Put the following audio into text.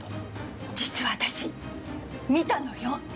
実は私、見たのよ。